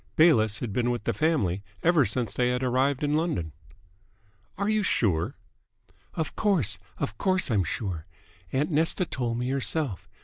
Bayliss had been with the family ever since they had arrived in London. "Are you sure?" "Of course, of course I'm sure. Aunt Nesta told me herself.